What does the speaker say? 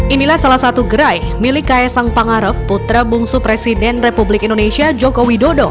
inilah salah satu gerai milik kaisang pangarep putra bungsu presiden republik indonesia joko widodo